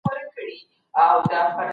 څېړنه باید له شخصي احساساتو څخه خالي وي.